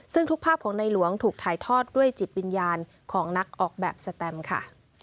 ซึ่งทุกภาพของในหลวงถูกถ่ายทอดด้วยจิตวิญญาณของนักออกแบบสแตมค่ะ